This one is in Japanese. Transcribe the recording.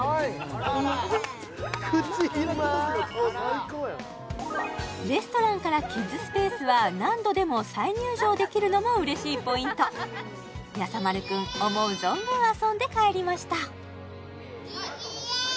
あらレストランからキッズスペースは何度でも再入場できるのもうれしいポイントやさ丸くん思う存分遊んで帰りました